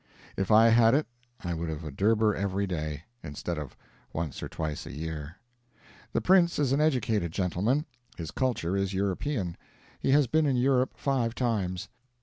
If I had it I would have a durbar every day, instead of once or twice a year. The prince is an educated gentleman. His culture is European. He has been in Europe five times.